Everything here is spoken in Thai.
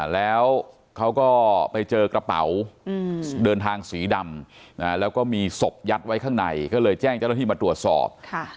แล้วเขาก็ไปเจอกระเป๋าเดินทางสีดำแล้วก็มีศพยัดไว้ข้างในก็เลยแจ้งเจ้าหน้าที่มาตรวจสอบ